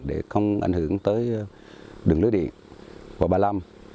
để không ảnh hưởng tới đường lưới điện và ba mươi năm